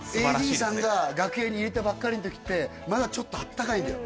ＡＤさんが楽屋に入れたばっかりの時ってまだちょっとあったかいんだよ